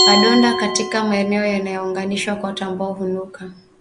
Madonda katika maeneo yanayounganisha kwato ambayo hunuka